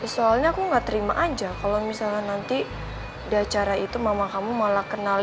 soalnya aku gak terima aja kalo misalnya nanti di acara itu mama kamu malah kenalin model kamu